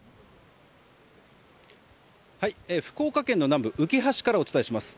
福岡県の南部うきは市からお伝えします。